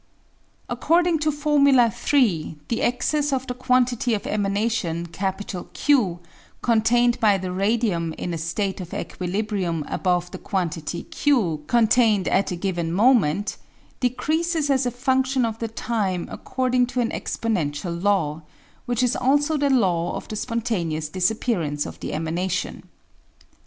According to Formula 3, the excess of the quantity of emanation, Q, contained by the radium in a state of equilibrium above the quantity, q, contained at a given moment, decreases as a fundtion of the time according to an exponential law, which is also the law of the spontaneous disappearance of the emanation.